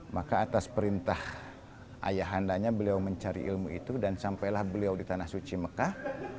maka atas perintah ayahandanya beliau mencari ilmu itu dan sampailah beliau di tanah suci mekah